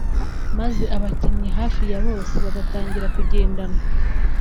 maze abakinnyi hafi ya bose batangira kugendana